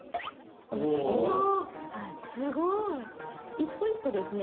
一個一個ですね